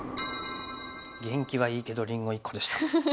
元気はいいけどりんご１個でした。